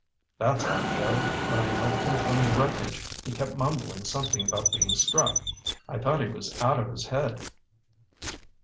"That's odd, Joe. When I helped him from the wreckage he kept mumbling something about being struck. I thought he was out of his head."